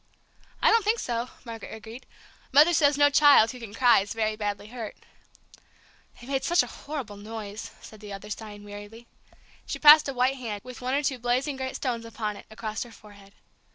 "I don't think so," Margaret agreed. "Mother says no child who can cry is very badly hurt." "They made such a horrible noise," said the other, sighing wearily. She passed a white hand, with one or two blazing great stones upon it, across her forehead.